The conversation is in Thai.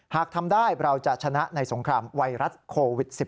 หากทำได้เราจะชนะในสงครามไวรัสโควิด๑๙